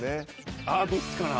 ああどっちかな。